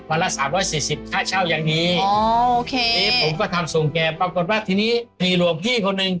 วันละ๓๔๐ค่าเช่ายังดีอ๋อโอเคผมก็ทำส่งแกปรากฏว่าทีนี้มีหลวงพี่คนหนึ่ง